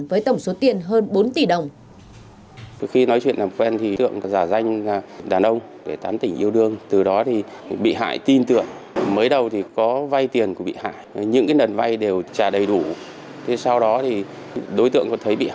với tổng số tiền hơn bốn tỷ đồng